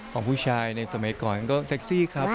ของผู้ชายในสมัยก่อนก็เซ็กซี่ครับ